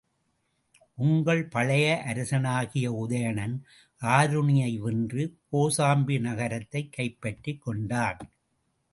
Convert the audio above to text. உங்கள் பழைய அரசனாகிய உதயணன், ஆருணியை வென்று, கோசாம்பி நகரத்தைக் கைப்பற்றிக் கொண்டான்.